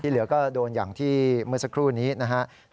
เหลือก็โดนอย่างที่เมื่อสักครู่นี้นะครับ